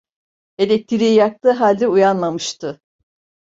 Elektriği yaktığı halde uyanmamıştı.